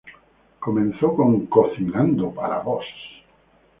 Comenzó como Cocinando para vos.